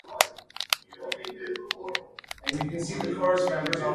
Contact transformations are related changes of co-ordinates, of importance in classical mechanics.